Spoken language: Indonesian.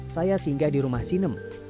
saya singgah di rumah sinem